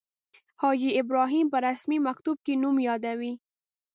حاجي ابراهیم په رسمي مکتوب کې نوم یادوي.